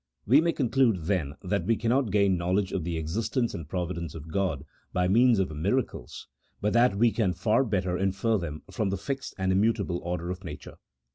"We may conclude, then, that we cannot gain knowledge of the existence and providence of God by means of mira cles, but that we can far better infer them from the fixed and immutable order of nature.